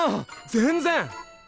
全然！